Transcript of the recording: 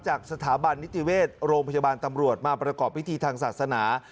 จากสถาบันนิติเวชโรงพยาบาลตำรวจมาประกอบพิธีทางศาสนา